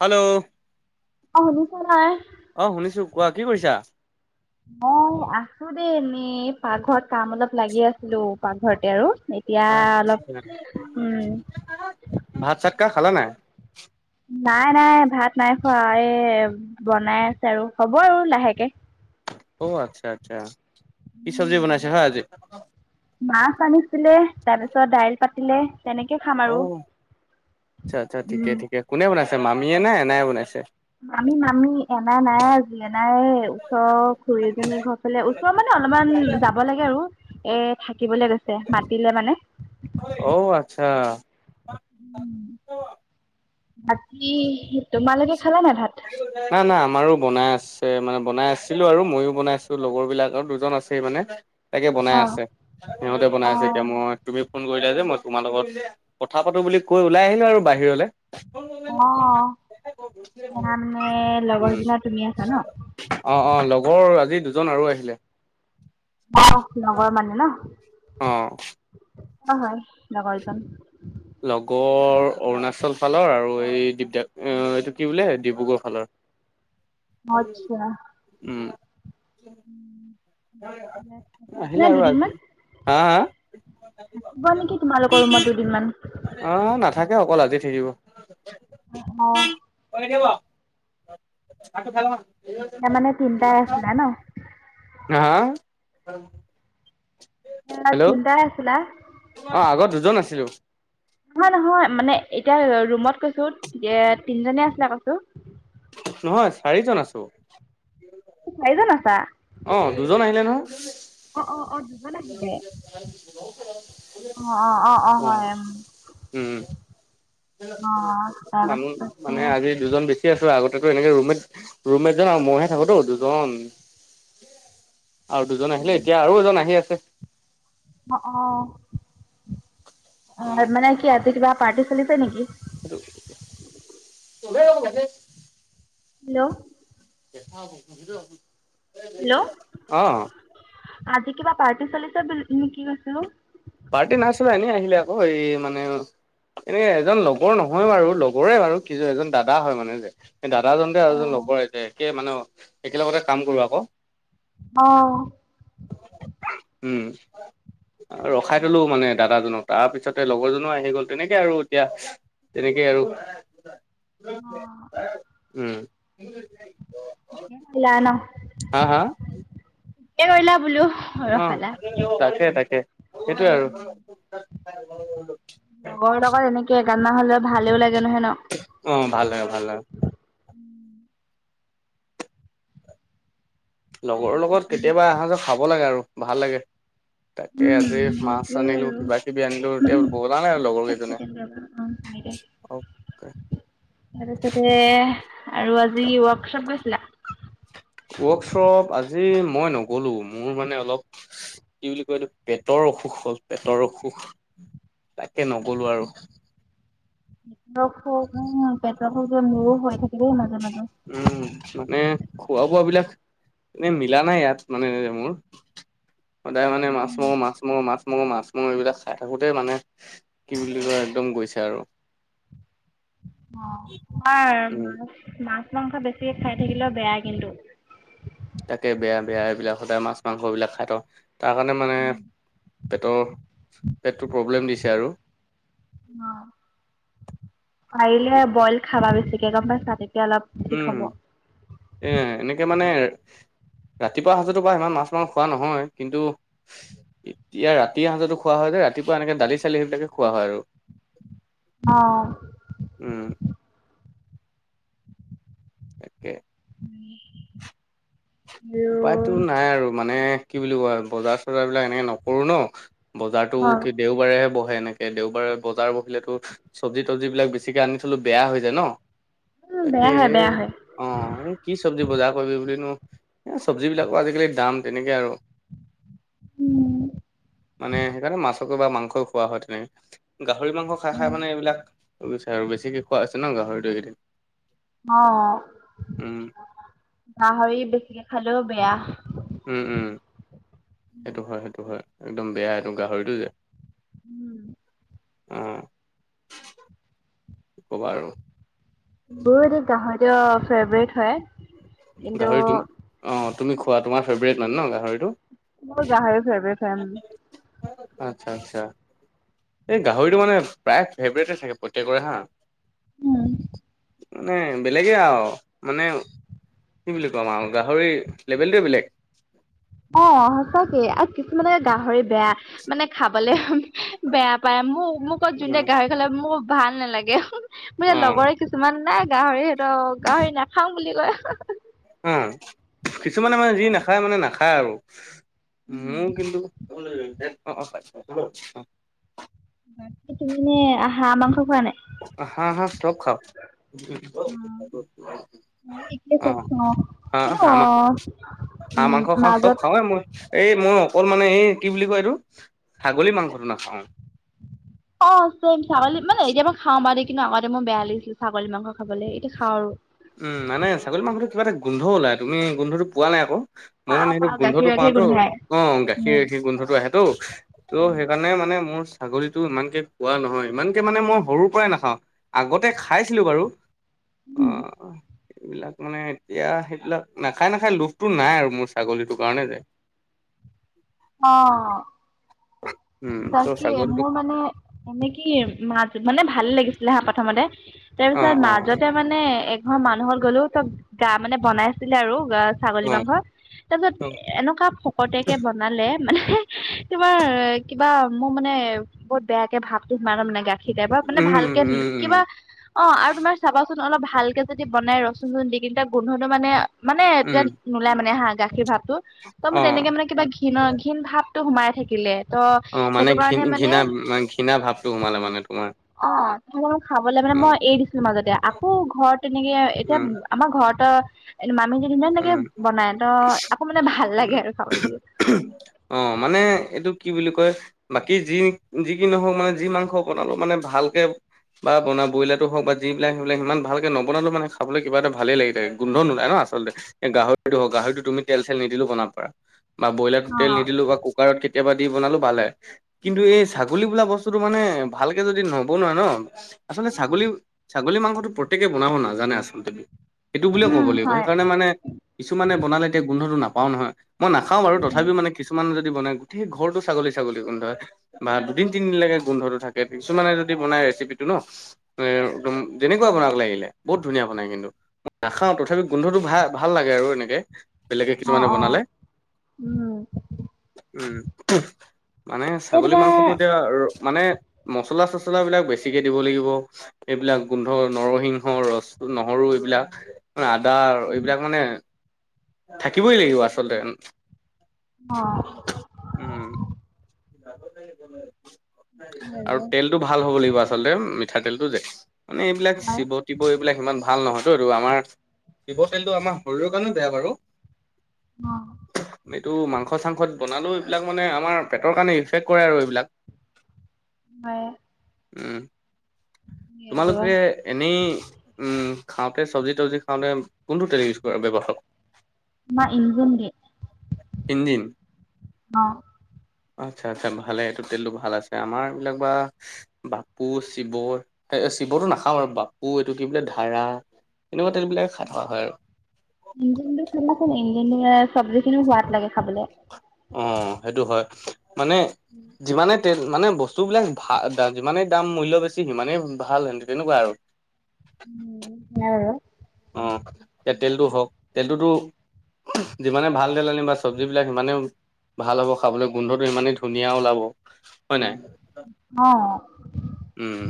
Hello অ শুনিছা নে নাই। অ শুনিছো কোৱা কি কৰিছা। মই আছো দেই এনেই পাকঘৰত কাম অলপ লাগি আছিলো পাকঘৰতে আৰু- এতিয়া অলপ উম, ভাত চাত কা খালা নে নাই? নাই নাই ভাত নাই খোৱা এই বনাই আছে আৰু হ'ব আৰু লাহেকে। অ আচ্ছা আচ্ছা, কি চবজি বনাইছে হয় আজি? মাছ আনিছিলে তাৰপিছত দাইল পাতিলে। তেনেকে খাম অ আৰু, আচ্ছা আচ্ছা ঠিকে উম। ঠিকে কোনে বনাইছে মামীয়ে নে এনাই বনাইছে? মামি মামি এনাই নাই আজি এনাই ওচৰ খুৰী এজনী ঘৰ ফালে- ওচৰ মানে অলপমান যাব লাগে আৰু এ থাকিবলৈ গৈছে, মাতিলে মানে। অ, আচ্ছা। অ। বাকী তোমালোকে খালা নাই ভাত? নাই নাই আমাৰো বনাই আছে মানে বনাই আছিলো আৰু মইও বনাই আছিলো লগৰ বিলাক আৰু দুজন আছে। সেই মানে তাকে বনাই অ'। আছে সিহঁতে অ', বনাই আছে এতিয়া মই- তুমি ফোন কৰিলা যে মই তোমাৰ লগত কথা পাতো বুলি কৈ ওলাই আহিলো আৰু বাহিৰলে। অঁ, মানে লগৰ উম জনে আৰু তুমি আছা ন? অ অ লগৰ আজি দুজন আৰু আহিলে। অ লগৰ মানে ন? অঁ' কৰ হয় লগৰজন? লগৰ অৰুণাচল ফালৰ আৰু এই এইটো কি বোলে ডিব্ৰুগড় ফালৰ। আচ্ছা। উম। মানে আহিলা আৰু দুদিনমান আজি হা হা। থাকিব নেকি তোমালোকৰ ৰুমত দুদিনমান? অ নাথাকে অকল আজি থাকিব। অঁ' অ দিব্য ভাতটো খাই লং আহ। এতিয়া মানে তিনিটাই আছিলে ন? আহা? [unintelligible] ইয়াত তিনিটাই আছিলা? অ' আগত দুজন আছিলো। নহয় নহয় মানে এতিয়া ৰুমত কৈছো এ তিনজনে আছিলে কৈছো? নহয় চাৰিজন আছো। চাৰিজন আছা! অ' দুজন আহিলে নহয়। অ, অ, অ- দুজন আহিলে। অ', অ', অ', অ', অঁ। হয়, উম, উম, অ', মানুহ তাৰপাছতে মানে আজি- দুজন বেছি আছো আগতে এনেকে ৰুমেট ৰুমেটজন আৰু মইহে থাকোতো দুজন- আৰু দুজন আহিলে এতিয়া আৰু এজন আহি আছে। অ', অ' মানে কি আছে কিবা পাৰ্টি চলিছে নেকি? [unintelligible] হেল্ল' হেল্ল' অ, আজি কিবা পাৰ্টি চলিছে ন' কি কৈছোঁ? পাৰ্টি নাছিলে এনেই আহিলে আকৌ এই মানে এ এজন লগৰ নহয় বাৰু লগৰে বাৰু কিযে এজন দাদা হয় মানে যে। এ দাদাজন যে আৰু এজন অ' লগৰ এতে একে মানে একেলগতে কাম কৰো আক অ', উম',। ৰখাই থলো মানে দাদাজনক তাৰপিছতে লগৰজনো আহি গ'ল তেনেকে আৰু এতিয়া। তেনেকেই আৰু। উম',। ওলাই ন হা হা ঠিকে কৰিলা বোলো অ', ৰখালা। তাকে তাকে সেইটোয়ে আৰু। লগৰ লগত এনেকে এ গান মাহাযে ভালো লাগে নহয় ন'। অ', ভাল লাগে ভাল লাগে। লগৰৰ লগত কেতিয়াবা আসাঁজৰ খাব লাগে আৰু ভাল লাগে। তাকে আজি উম মাছ সেইটোৱে আনিলো আৰু কিবা কিবি আনিলো এতিয়া বনালে লগৰ এক কিজনে। ছেকেণ্ড ৰবা অ',। তাৰপিছতে আৰু আজি ৱৰ্কশ্বপ গৈছিলা? ৱৰ্কশ্বপ আজি মই নগ'লো মোৰ মানে অলপ কি বুলি কয় এইটো পেটৰ অসুখ হ'ল পেটৰ অসুখ তাকে নগলো আৰু। পেটৰ অসুখ উম পেটৰ অসুখ মোৰো হৈ থাকে আ মাজে মাজে। উম, মানে খোৱা বোৱা বিলাক এনে মিলা নাই ইয়াত মানে মোৰ সদায় মানে মাছ মঙহ উম মাছ মঙহ মাছ মই মাছ মঙহ এইবিলাক খাই থাকোতে মানে কি বুলি কয় একদম গৈছে আৰু। অ' তোমাৰ উম মাছ মাছ মাংস বেছিকে খাই থাকিলেও বেয়া কিন্তু। তাকে বেয়া বেয়া এইবিলাক সদায় মাছ মাংসবিলাক খাই থ তাৰ কাৰণে মানে পেটৰ পেটটো প্ৰব্লেম দিছে আৰু। অ' পাৰিলে বইল খাবা বেছিকে গম পাইছা তেতিয়া অলপ ঠিক উম, হ'ব। এ এনেকে মানে ৰাতিপুৱা সাজতো বা ইমান মাছ মাংস খোৱা নহয় কিন্তু এতিয়া ৰাতিৰ সাজতো খোৱা হয় যে ৰাতিপুৱা এনেকে দালি চালি সেইবিলাকে খোৱা হয় আৰু। অ উম তাকে [unintelligible] এইটো নাই আৰু মানে কি বুলি কই আৰু বজাৰ চজাৰ বিলাক এনেকে নকৰো ন বজাৰতো অঁ দেওবাৰেহে বহে এনেকে দেওবাৰে বজাৰ বহিলেতো চব্জি-তব্জি বিলাক বেছিকে আনি থলে বেয়া হৈ যায় ন উম তাকে বেয়া হয় এ বেয়া হয়। অ এই কি চব্জি বজাৰ কৰিবি বুলি নো চব্জিবিলাকো আজিকালি দাম তেনেকে আৰু মানে সেইকাৰণে মাছকে বা মাংসই খোৱা হয় তেনেকে গাহৰি মাংস খাই খাই মানে এইবিলাক হৈছে আৰু বেছিকেই খোৱা হৈছে ন গাহৰিটো এইকেইদিন অ উম গাহৰি বেছিকে খালেও বেয়া। উম উম সেইটো হয় সেইটো হয় একদম বেয়া এইটো গাহৰিটো যে উম উম ক'বা আৰু মোৰোতো গাহৰিটো ফেভৰেট হয়। কিন্তু গাহৰিটো অ তুমি খোৱা তোমাৰ ফেভৰেট মানে ন গাহৰিটো। মোৰ গাহৰি ফেভৰিট হয় উম আচ্ছা আচ্ছা এই গাহৰিটো মানে প্ৰায় ফেভৰেট থাকে প্ৰত্যেকৰে হা উম মানে বেলেগে আৰু মানে কি বুলি কম আৰু গাহৰি লেভেলটোৱে বেলেগ অ সঁচাকে আৰু কিছুমানকে গাহৰি বেয়া মানে খাবলে বেয়া পায় মোক মোক কয় জোনে উম গাহৰি খালে মোৰ ভাল নালাগে। মোৰ এই অ লগৰ কিছুমানে গাহৰিটো গাহৰি নাখাওঁ বুলি কয় অ কিছুমানে মানে যি নাখায় মানে নাখায় আৰু মোৰ কিন্তু [unintelligible] তুমি হাঁহ মাংস খোৱা নাই হা হা চব খাও মাংস [unintelligible] হাঁহ উম মাংস খাওঁ, চব মাজত খাওঁয়ে মই এই মই অকল মানে এই কি বুলি কয় এইটো ছাগলী মাংস নাখাওঁ অ চম ছাগলী মানে এতিয়া মই খাওঁ বাৰু কিন্তু আগতে মোক বেয়া লাগিছিল ছাগলী মাংস খাবলৈ এতিয়া খাওঁ আৰু উম মানে ছাগলী মাংসটো কিবা এটা গোন্ধ ওলায় তুমি গোন্ধটো পোৱা নাই আকৌ মই মানে পাও সেইটো পাও গাখীৰ গোন্ধটো পাওঁ গাখীৰ তো গোন্ধাই অ গাখীৰ গাখীৰ গোন্ধটো আহেতো ত' উম সেইকাৰণে মানে মোৰ ছাগলীটো ইমানকে কোৱা নহয় ইমানকে মানে মই সৰুৰ পৰাই নাখাও। আগতে খাইছিলোঁ বাৰু অ উম এইবিলাক মানে এতিয়া সেইবিলাক নাখায় নাখায় লোভটো নাই আৰু মোৰ ছাগলীটোৰ কাৰণে যে [unintelligible] অ উম ত' তাকে ছাগলীটোক মোৰ মানে এনে কি মাছ মানে ভালে লাগিছিলে হা প্ৰথমতে অ তাৰপিছত অ মাছ যতে মানে এঘৰ মানুহত গ'লো গা মানে বনাইছিলে আৰু গা ছাগলী অ মাংস তাৰ পিছত অ এনেকুৱা ফকতীয়াকে বন বনালে মানে তোমাৰ কিবা মোৰ মানে বহুত বেয়াকে ভাবটো সোমালে মানে গাখীৰ টাইপৰ মানে উম উম ভালকে উম কিবা অ আৰু তোমাৰ চাবাচোন অলপ ভালকে যদি বনাই ৰচুন ৰচুন দি কেইটা গোন্ধটো মানে মানে এতিয়া উম নোলাই মানে হা গাখীৰ ভাতটো অ ত' এনেকে মানে কিবা ঘীণৰ ঘীণ ভাৱতো সোমাই থাকিলে ত অ মানে সেইটো ঘিণ কাৰণে মানে ঘৃণা ঘৃণা ভাৱটো সোমালে মানে তোমাৰ অ তোমাৰ খাবলৈ মানে অ মই এৰি দিছিলো মাজতে আকৌ ঘৰত তেনেকে এতিয়া উম আমাৰ ঘৰত এ মামি যদি ইমাননেকে বনাই ত আকৌ মানে ভাল উম লাগে আৰু খাবলৈ অ মানে এইটো কি বুলি কয় বাকী যি যি কি নহওক মানে যি মাংস বনালো মানে ভালকে বা বনা ব্ৰইলাৰো হওক বা যিবিলাক সবিলাক ইমান ভালকে নবনালো মানে খাবলৈ কিবা এটা ভাল লাগি থাকে গোন্ধ নুলাই ন আচলতে এ গাহৰিটো হ গাহৰিটো তুমি তেল চেল নিদিলো বনাব পাৰা বা ব্ৰইলাৰো অ তেল নিদিলো বা কুকাৰত কেতিয়াবা দি বনালো ভালে কিন্তু এই ছাগলী বোলা বস্তুতটো মানে ভালকে যদি নব নোৱা ন আচলতে ছাগলী ছাগলী মাংসটো প্ৰত্যেকে বনাব নাজানে আচলতে সেইটো বুলিয়ে ক'ব উম লাগিব হয় সেইকাৰণে মানে কিছুমানে বনালে এতিয়া গোন্ধটো নাপাও নহয় মই নাখাওঁ বাৰু তথাপিও মে কিছুমান যদি বনাই গোটেই ঘৰৰতটো ছাগলী ছাগলী গোন্ধ হয় বা দুদিন তিনদিনিলৈকে গোন্ধটো থাকে কিছুমানে যদি বনাই ৰেচিপিটো ন? এ, একদম যেনেকুৱা বনাক লাগিলে, বহুত ধুনীয়া বনাই কিন্তু। নাখাওঁ তথাপি গোন্ধটো ভা-ভাল লাগে আৰু এনেকে, বেলেগে অ কিছুমানে অ বনালে। উম উম, মানে এই ছাগলী তোমাৰ মাংসটো এতিয়া ৰ মানে মচলা চচলাবিলাক বেছিকে দিব লাগিব। এইবিলাক গোন্ধ নৰসিংহ, ৰচ নহৰু এইবিলাক। আদা এইবিলাক মানে থাকিবই লাগিব আচলতে। অ [unintelligible] উম। হয় [unintelligible] আৰু তেলটো ভাল হ'ব লাগিব আচলতে, মিঠাতেলটো যে। মানে এইবিলাক অ শিৱত তিব এইবিলাক ইমান ভাল নহয়তো আৰু আমাৰ, তিব তেলটো আমাৰ শৰীৰৰ কাৰণেও বেয়া বাৰু। অ'। এইটো মাংস চাংসত বনালেও এইবিলাক মানে আমাৰ পেটৰ কাৰণে ইনফেক্ট কৰে আৰু এইবিলাক। হয়। উম। তোমালোকে এনেই উম, খাওঁতে চব্জি তব্জি খাওঁতে কোনটো তেল ইউজ কৰা ব্যয়ৱহা মা ইনগুন গে। ইঞ্জিন? অ'। আচ্ছা আচ্ছা ভালে, এইটো তেলতো ভাল আছে, আমাৰবিলাক বা বাপু, শিৱৰ। তে শিৱতটো নাখাওঁ আৰু বাপু এইটো কি বোলে ধাৰা এনেকুৱা তেলবিলাকে খাই থকা হয় আৰু। ইঞ্জিনটো খাবাচোন, ইঞ্জিন দিলে চব্জিখিনিও সোৱাদ লাগে খাবলৈ। অ' সেইটো হয়, মানে উম। যিমানে তে মানে বস্তুবিলাক ভা দা-যিমানেই দাম মূল্য বেছি সিমানেই ভাল হেন তেনেকুৱা আৰু। উম, [unintelligible] অ' তে তেলটো হওক, তেলটোতো যিমানে ভাল তেল আনিবা চব্জবিলাক সিমানে ভাল হ'ব খাবলৈ, গোন্ধটো ইমানেই ধুনীয়া ওলাব। হয় নাই? অ'। উম,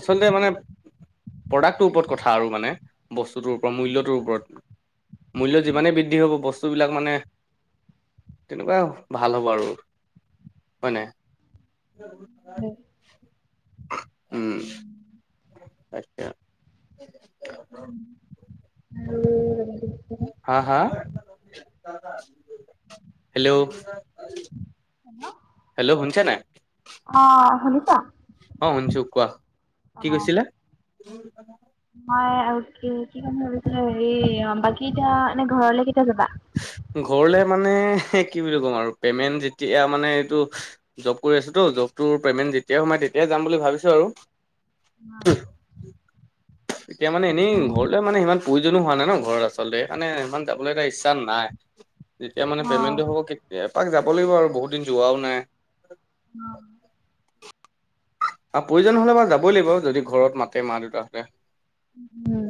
আচলতে মানে প্ৰডাক্টটোৰ ওপৰত কথা আৰু মানে। বস্তুটোৰ ওপৰত, মূল্যটোৰ ওপৰত, মূল্য যিমানে বৃদ্ধি হ'ব বস্তুবিলাক মানে তেনেকুৱা ভাল হ'ব আৰু। হয় নাই? উম, আচ্ছা। উ, আৰু হা, হা? হেল্ল'। হেল্ল'। হেল্ল' শুনিছা নাই? অ' শুনিছা? অ' শুনিছোঁ কোৱা, কি অ' কৈছিলা? মই আৰু কি কি ক'ম ভাবিছিলোঁ, হেৰি বাকি এতিয়া এনে ঘৰলে কেতিয়া যাবা? ঘৰলে মানে কি বুলি ক'ম আৰু পেমেণ্ট যেতিয়া মানে এইটো জব কৰি আছোঁতো, জবটোৰ পেমেণ্ট যেতিয়াই সোমাই তেতিয়াই যাম বুলি ভাবিছোঁ আৰু। [unintelligible] এতিয়া মানে অ' এনেই উম ঘৰলৈ মানে ইমান প্ৰয়োজনো হোৱা নাই ন ঘৰত আচলতে সেইকাৰণে ইমান যাবলৈ এটা ইচ্ছা নাই যেতিয়া মানে পেমেণ্টটো হ'ব কে এপাক যাব লাগিব আৰু বহুত দিন যোৱাও নাই অ আও প্ৰয়োজন হ'লে বাও যাবই লাগিব যদি ঘৰত মাতে মা দেউতাহঁতে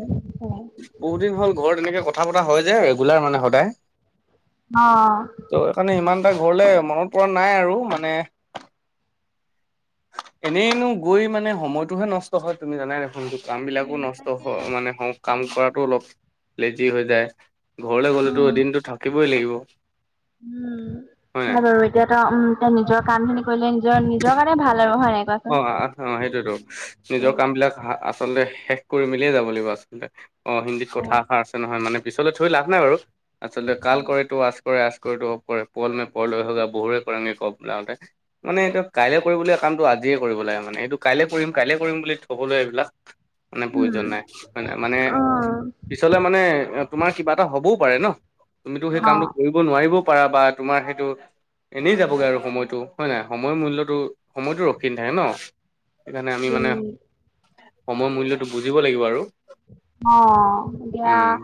বহুত দিন হ'ল ঘৰত এনেকে কথা পতা হয় যে ৰেগুলাৰ মানে সদায় অ অ ত' সেইকাৰণে সিমান এটা ঘৰলে মনত পৰা নাই আৰু মানে এনেইনো গৈ মানে সময়তটোহে নষ্ট হয় তুমি জানাই দেখোন কামবিলাকো উম নষ্ট তাকে হয় মানে হওঁ কাম কৰাটো অলপ লেজি হৈ যায় ঘৰলে গলেতো অ' এদিনতো থাকিবই লাগিব উম হয় বাৰু এতিয়া তো উম নিজৰ কাম খিনি কৰিলে নিজৰ নিজৰ কাৰণে ভাল আৰু হয় নাই কোৱা অ অ সেইটোতো নিজৰ কাম বিলাক আচলতে শেষ কৰি মেলিয়ে যাব লাগিব আচলতে অ হিন্দীত কথা এষাৰ আছে নহয় মানে পিছলৈ থৈ লাভ নাই বাৰু আচলতে কাল কৰেতো আজ কৰে আজ কেত আব পল মে পলৈ হোগা বহুৰে কৰেগে কব বোলাগতে মানে কাইলৈ কৰিবলগীয়া কামটো আ আজিয়ে কৰিব লাগে মানে এইটো কাইলে কৰিম কাইলে কৰিম বুলি থবলৈ এইবিলাক মানে উম প্ৰয়োজন নাই হয় নাই মানে অ' পিছলে মানে তোমাৰ কিবা এটা হবও পাৰে ন তুমিতো সেই কামটো অ' কৰিব নোৱাৰিব পাৰা বা তোমাৰ সেইটো এনেই যাবগৈ আৰু সময়টো হয় নাই সময়ৰ মূল্যটো সময়টো ৰখ ৰখি নাথাকে ন, সেইকাৰণে আমি মানে সময় মূল্যতো বুজিব লাগিব আৰু অ এতিয়া উম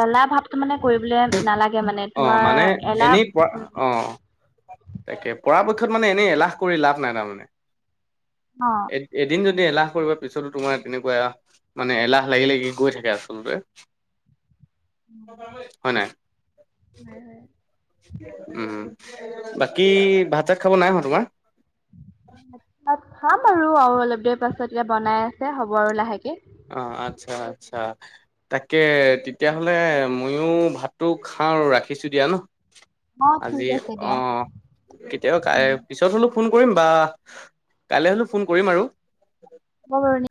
এলাহ ভাৱতো মানে কৰিবলে নালাগে মানে অ তোমাৰ মানে এলাহ এনেই পৰা অ তাকে পৰাপক্ষত মানে এনেই এলাহ কৰি লাভ নাই তাৰমানে অ এ এদিন যদি এলাহ কৰিব পিছতো তোমাৰ তেনেকুৱা মানে এলাহ লাগি লাগি গৈ থাকে আচলতে, হয় নাই হয় হয় উম বাকী ভাত চাত খাব নাই হোৱা তোমাৰ ভাত চাত খাম আৰু আও অলপ দেৰি পাছত এতিয়া বনাই আছে হ'ব আৰু লাহেকে অ আচ্ছা আচ্ছা তাকে তেতিয়াহ'লে ময়ো ভাতটো খাওঁ আৰু ৰাখিছো দিয়া ন অ আজি ঠিক আছে অ দিয়া। কেতিয়াবা পিছত হলো ফোন কৰিম বা কাইলৈ হলো ফোন কৰিম আৰু হ'ব বাৰু নি